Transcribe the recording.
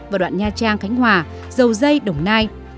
và đoạn nha trang khánh hòa dầu dây đồng nai